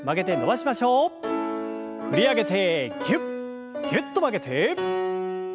振り上げてぎゅっぎゅっと曲げて。